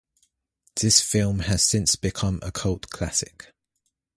This film has since become a cult classic.